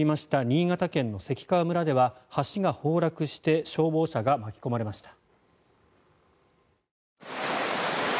新潟県の関川村では橋が崩落して消防車が巻き込まれました。